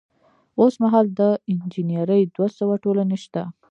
اوس مهال د انجنیری دوه سوه ټولنې شته.